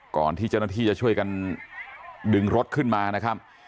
ก่อนที่เจ้าหน้าที่จะช่วยกันดึงรถขึ้นมานะครับ